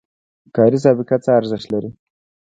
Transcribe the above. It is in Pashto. کاري سابقه څه ارزښت لري؟